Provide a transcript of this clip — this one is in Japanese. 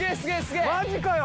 マジかよ！